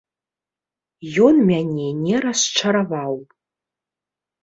Ён мяне не расчараваў.